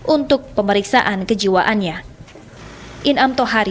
untuk pemeriksaan kejiwaannya